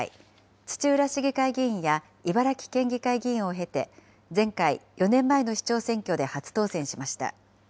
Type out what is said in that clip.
土浦市議会議員や茨城県議会議員を経て、前回・４年前の市長選挙で初当選しました。